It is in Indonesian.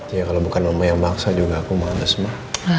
iya kalo bukan mama yang maksa juga aku mau habis mah